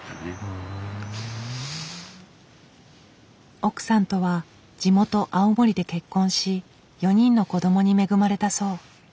奥さんとは地元青森で結婚し４人の子供に恵まれたそう。